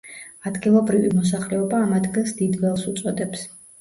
ადგილობრივი მოსახლეობა ამ ადგილს დიდ ველს უწოდებს.